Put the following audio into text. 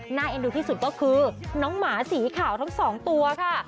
เอ็นดูที่สุดก็คือน้องหมาสีขาวทั้งสองตัวค่ะ